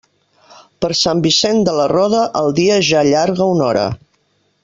Per Sant Vicent de la Roda, el dia ja allarga una hora.